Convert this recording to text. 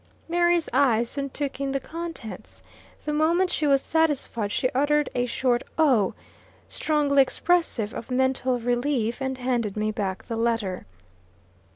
Mary's eyes soon took in the contents. The moment she was satisfied, she uttered a short "Oh!" strongly expressive of mental relief, and handed me back the letter.